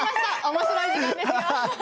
面白い時間ですよ。